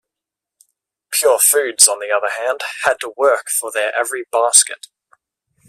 Purefoods, on the other hand, had to work for their every basket.